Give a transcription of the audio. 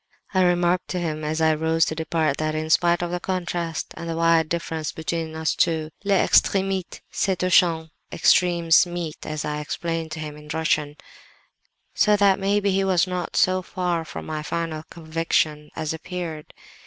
I remarked to him, as I rose to depart, that, in spite of the contrast and the wide differences between us two, les extremites se touchent ('extremes meet,' as I explained to him in Russian); so that maybe he was not so far from my final conviction as appeared.